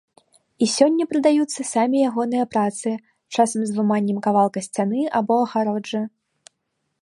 І сёння прадаюцца самі ягоныя працы, часам з выманнем кавалка сцяны або агароджы.